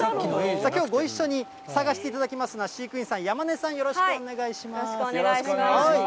きょう、ご一緒に探していただきますのは、飼育員さん、山根さん、よろしくお願いします。